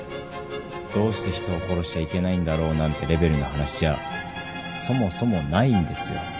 「どうして人を殺しちゃいけないんだろう」なんてレベルの話じゃそもそもないんですよ。